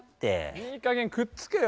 いいかげんくっつけよ。